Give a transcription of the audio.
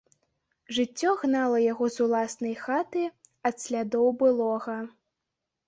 Жыццё гнала яго з уласнай хаты, ад слядоў былога.